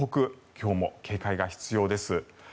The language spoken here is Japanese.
今日も警戒が必要です。